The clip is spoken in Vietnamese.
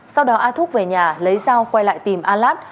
sau đó a thúc về nhà lấy dao quay lại tìm a lát